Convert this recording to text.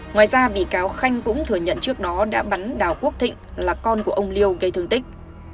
ngoài ra bị cáo khanh cũng thừa nhận trước đó đã bắn đào quốc thịnh là con của ông liêu gây thương tích